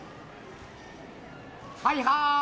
はいはーい！